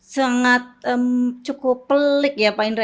sangat cukup pelik ya pak indra